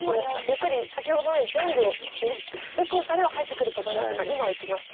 やっぱり先ほどのように全部どこかでは入ってくると思いましたが今いきましたね。